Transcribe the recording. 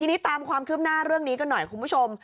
ทีนี้ตามความคืบหน้าเรื่องนี้กันหน่อยคุณผู้ชม